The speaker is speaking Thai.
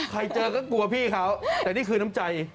ใครเจอก็กลัวพี่เขาแต่นี่คือน้ำใจ